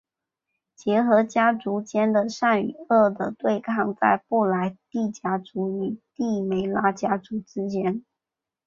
结合家族间的善与恶的对抗在布莱帝家族与帝梅拉家族之间。